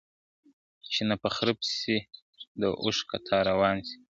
چي په خره پسي د اوښ کتار روان سي `